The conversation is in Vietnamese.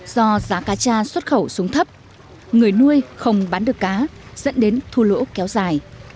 do giá cá cha xuất khẩu xuống thấp người nuôi không bán được cá dẫn đến thua lỗ kéo dài